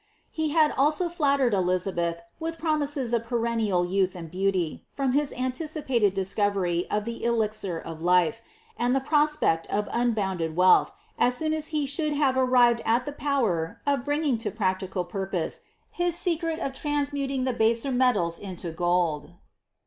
Be also had flattered Elizabeih wilh promises of perennial youth and beanljfi froin hit anticipated discorery of the elixir of life, and the prospect cf nnbounded wealth, as soon as he shonld hare srrired at the power of bringing to practical purpose his secret of transmuting the baser nielile into gold.